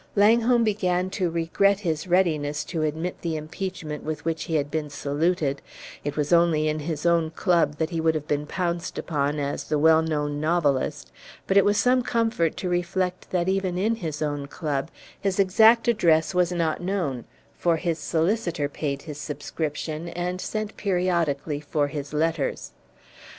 Langholm began to regret his readiness to admit the impeachment with which he had been saluted; it was only in his own club that he would have been pounced upon as the "well known novelist"; but it was some comfort to reflect that even in his own club his exact address was not known, for his solicitor paid his subscription and sent periodically for his letters.